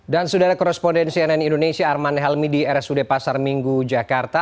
dan sudah ada korespondensi nn indonesia arman helmi di rsud pasar minggu jakarta